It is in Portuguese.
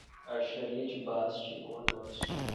Artilharia de baste ou a dorso